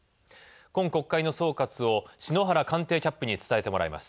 今国会の総括を篠原官邸キャップに伝えてもらいます。